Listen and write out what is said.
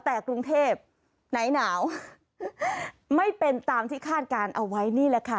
แต่กรุงเทพไหนหนาวไม่เป็นตามที่คาดการณ์เอาไว้นี่แหละค่ะ